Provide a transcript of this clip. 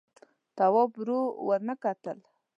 تواب ور ونه کتل.